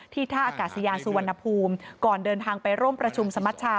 ท่าอากาศยานสุวรรณภูมิก่อนเดินทางไปร่วมประชุมสมชา